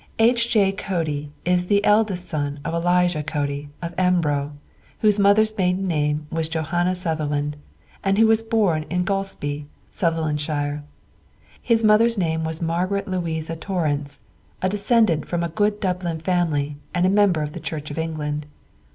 H. J. Cody is the eldest son of Elijah Cody, of Embro, whose mother's maiden name was Johanna Sutherland, and who was born in Golspie, Sutherlandshire. His mother's name was Margaret Louisa Torrance, a descendant from a good Dublin family, and a member of the Church of England.